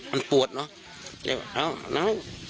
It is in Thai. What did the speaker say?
มันปวดเนอะ